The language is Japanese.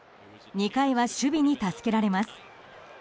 ２回は守備に助けられます。